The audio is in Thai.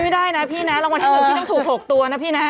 ไม่ได้นะพี่นะรางวัลที่๑พี่ต้องถูก๖ตัวนะพี่นะ